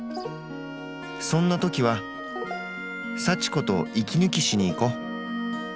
そんな時はさちこと息抜きしに行こ」。